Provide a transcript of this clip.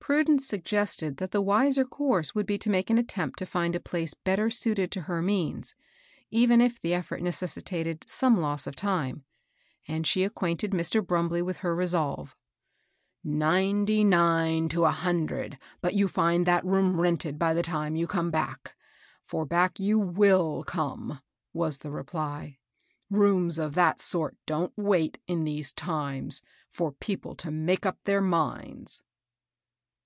Prudence suggested that the wiser course would be to make an attempt to find a place better suited to her means, even if the effort necessitated some loss of time ; and she acquainted Mr. Brumbley with her resolve. " Ninety nine to a hundred but you find that room rented by the time you come back, — for back you wUl come," was the reply. " Rooms of that sort don't wait, in these times, for people to make up their minds."